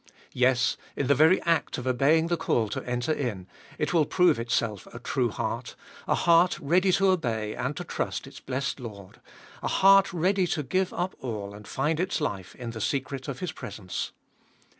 Yes, in the very act of obeying the call to enter in, it will prove itself a true heart — a heart ready to obey and to trust its blessed Lord, a heart ready to give up all and find its life in the secret of His presence.